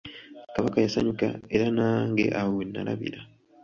Kabaka yasanyuka era nange awo wennalabira.